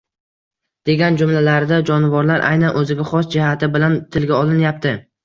Degan jumlalarida jonivorlar aynan o`ziga xos jihati bilan tilga olinyapti